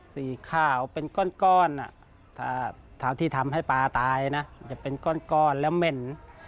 สีข่าวเป็นก้อนถ้าจะได้ทำให้ปลาตายเนอะจะเป็นก้อนและเม่น